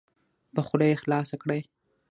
په خوله یې خلاصه کړئ.